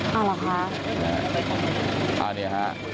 เอาเหรอคะอ่าเนี่ยฮะ